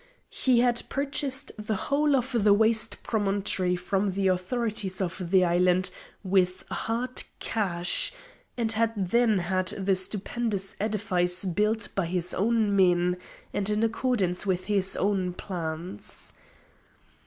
He had purchased the whole of the waste promontory from the authorities of the island with hard cash, and had then had the stupendous edifice built by his own men and in accordance with his own plans.